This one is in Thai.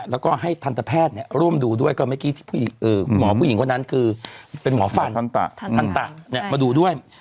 แล้วก็ให้ทันตแพทย์ร่วมดูด้วยก็เมื่อกี้ที่หมอผู้หญิงคนนั้นคือเป็นหมอฟันทันตะมาดูด้วย